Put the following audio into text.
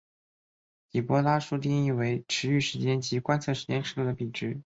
底波拉数定义为驰豫时间及观测时间尺度的比值。